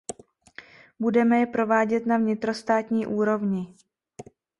Budeme je provádět na vnitrostátní úrovni.